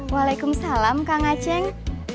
waalaikumsalam kang aceh